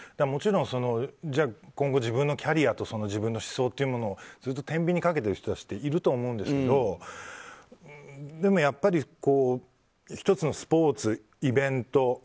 もちろん今後、自分のキャリアと自分の思想というものをずっと天秤にかけてる人たちっていると思うんですけどでもやっぱり１つのスポーツ、イベント